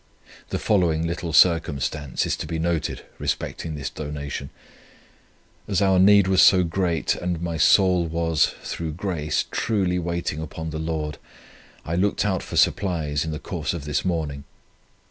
The following little circumstance is to be noticed respecting this donation: As our need was so great, and my soul was, through grace, truly waiting upon the Lord, I looked out for supplies in the course of this morning.